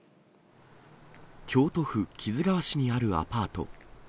京都府木津川市にあるアパート。